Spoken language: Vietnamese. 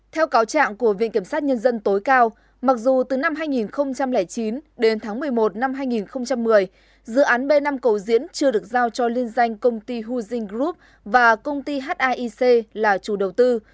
theo cáo trạng của viện kiểm sát nhân dân tối cao mặc dù từ năm hai nghìn chín đến tháng một mươi một năm hai nghìn một mươi dự án b năm cầu diễn chưa được giao cho liên danh công ty hujing group và công ty hic là chủ đầu tư